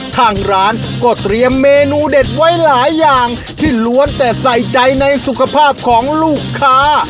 ทางร้านก็เตรียมเมนูเด็ดไว้หลายอย่างที่ล้วนแต่ใส่ใจในสุขภาพของลูกค้า